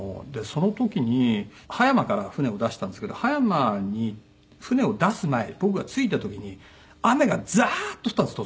その時に葉山から船を出したんですけど葉山に船を出す前僕が着いた時に雨がザーッと降ったんです